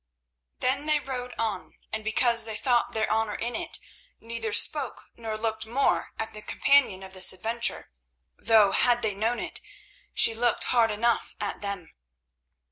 Then they rode on, and because they thought their honour in it, neither spoke nor looked more at the companion of this adventure, though, had they known it, she looked hard enough at them.